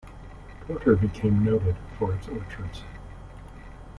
Porter became noted for its orchards.